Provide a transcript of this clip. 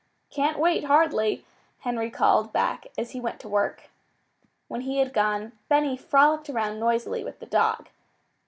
"Can't wait, hardly," Henry called back as he went to work. When he had gone, Benny frolicked around noisily with the dog.